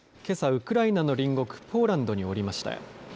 ウクライナの隣国ポーランドに降りました。